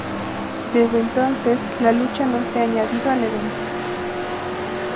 Desde entonces, la lucha no se ha añadido al evento.